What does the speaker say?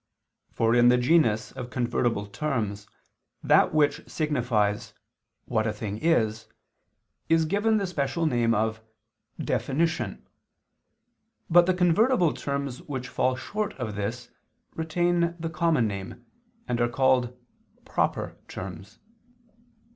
For in the genus of convertible terms, that which signifies "what a thing is," is given the special name of "definition," but the convertible terms which fall short of this, retain the common name, and are called "proper" terms.